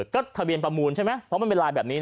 ก็ทะเบียนประมูลใช่ไหมเพราะมันเป็นลายแบบนี้นะ